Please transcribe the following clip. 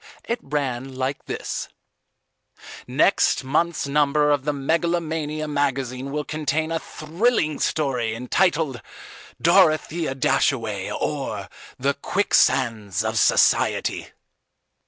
It ran like this: NEXT MONTH'S NUMBER OF THE MEGALOMANIA MAGAZINE WILL CONTAIN A THRILLING STORY, ENTITLED "_DOROTHEA DASHAWAY, OR, THE QUICKSANDS OF SOCIETY.